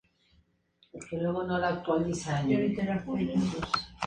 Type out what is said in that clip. Anaximandro se presenta en el libro como el principal iniciador del pensamiento científico.